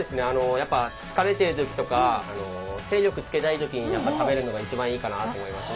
やっぱ疲れてる時とか精力つけたい時にやっぱ食べるのが一番いいかなと思いますね。